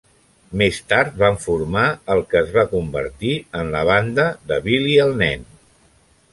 Més tard van formar el que es va convertir en la banda de Billy el Nen.